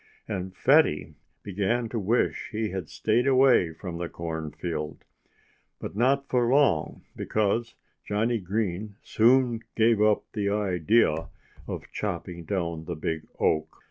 And Fatty began to wish he had stayed away from the cornfield. But not for long, because Johnnie Green soon gave up the idea of chopping down the big oak.